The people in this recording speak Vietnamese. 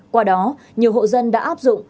qua đó nhiều hộ dân đã áp dụng